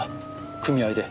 組合で。